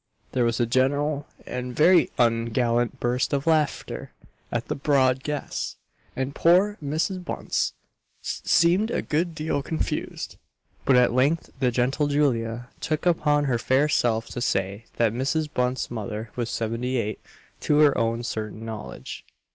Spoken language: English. There was a general and very ungallant burst of laughter at the broad guess; and poor Mrs. Bunce seemed a good deal confused; but at length the gentle Julia took upon her fair self to say that Mrs. Bunce's mother was seventy eight, to her own certain knowledge.